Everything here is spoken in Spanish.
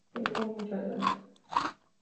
Tengo muchas ganas.